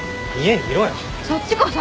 そっちこそ。